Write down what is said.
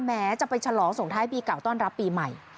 แม้จะไปฉลองส่งท้ายปีเก่าต้อนรับปีใหม่